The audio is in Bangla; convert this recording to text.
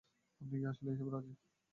আপনি কি আসলেই এসবে রাজি!